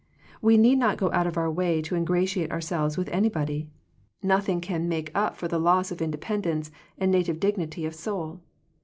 We need not go out of our way to ingra tiate ourselves with anybody. Nothing can make up for the loss of independence and native dignity of soul.